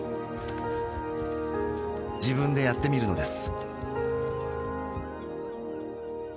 自分でやってみるのです。